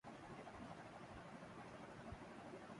Cleveland Ohio Aruvi California